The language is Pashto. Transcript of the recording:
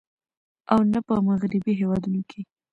او نۀ په مغربي هېوادونو کښې